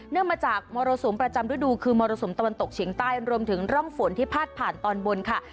มาจากมรสุมประจำฤดูคือมรสุมตะวันตกเฉียงใต้รวมถึงร่องฝนที่พาดผ่านตอนบนค่ะ